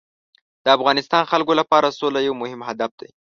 د افغانستان خلکو لپاره سوله یو مهم هدف دی.